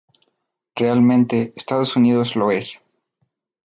Realmente, Estados Unidos lo es".